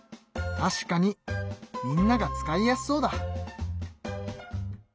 確かにみんなが使いやすそうだ。